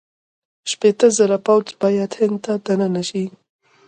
شپېته زره پوځ باید هند ته دننه شي.